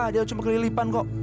dia cuma kelilipan kok